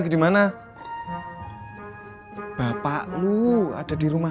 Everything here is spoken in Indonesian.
gue mau ke dalam